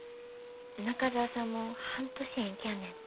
中澤さんも半年延期やねんて。